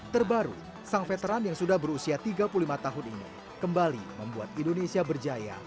terbaru sang veteran yang sudah berusia tiga puluh lima tahun ini kembali membuat indonesia berjaya